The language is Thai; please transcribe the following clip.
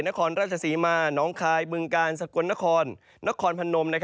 นครราชศรีมาน้องคายบึงกาลสกลนครนครพนม